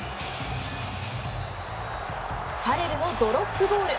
ファレルのドロップゴール！